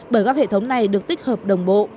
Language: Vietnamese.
bởi các hệ thống này được tích hợp đồng bộ